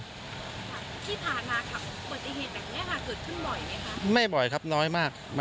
ที่ผ่านมาขับปฏิเหตุแบบนี้ค่ะเกิดขึ้นบ่อยไหมคะ